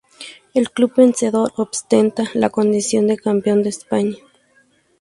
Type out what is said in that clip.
El club vencedor ostenta la condición de "Campeón de España".